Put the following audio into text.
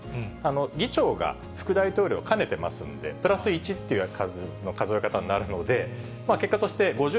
議長が副大統領兼ねてますんで、プラス１っていう数の数え方になるので、これ上院ですね。